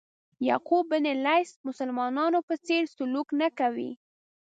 یعقوب بن لیث مسلمانانو په څېر سلوک نه کوي.